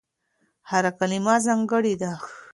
هره کلمه ځانګړې ده.